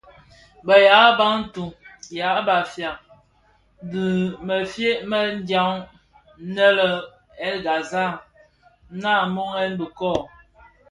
Bë yaa Bantu (ya Bafia) bi mëfye më dyaň innë le bahr El Ghazal nnamonèn mëkoo.